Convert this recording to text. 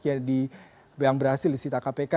yang berhasil disita kpk